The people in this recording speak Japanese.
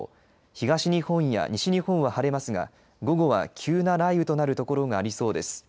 東日本や西日本は晴れますが午後は急速な雷雨となる所がありそうです。